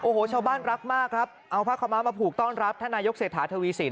โอ้โหชาวบ้านรักมากครับเอาผ้าขาวม้ามาผูกต้อนรับท่านนายกเศรษฐาทวีสิน